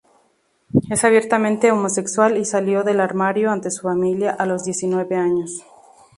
Es abiertamente homosexual y salió del armario ante su familia a los diecinueve años.